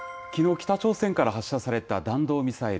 北朝鮮から発射された弾道ミサイル。